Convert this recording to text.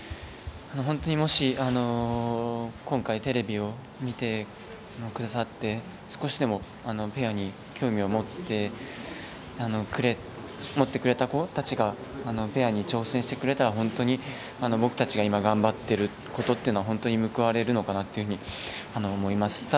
本当にもし、今回テレビを見てくださって少しでも、ペアに興味を持ってくれた子たちがペアに挑戦してくれたら本当に僕たちが今頑張ってることっていうのは本当に報われるのかなっていうふうに思います。